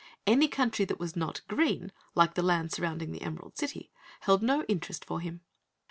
Any country that was not green like the land surrounding the Emerald City, held no interest for him.